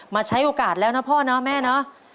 ใช้โอกาสแล้วนะพ่อเนาะแม่เนาะ